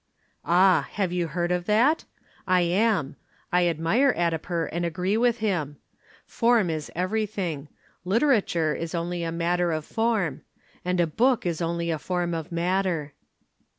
"Ah, have you heard of that? I am. I admire Addiper and agree with him. Form is everything literature is only a matter of form. And a book is only a form of matter."